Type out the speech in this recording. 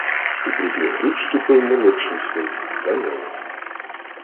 У брудну гру вступив молодший син – Данило